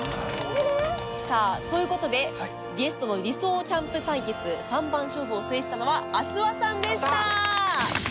さあという事でゲストの理想キャンプ対決３番勝負を制したのは阿諏訪さんでした！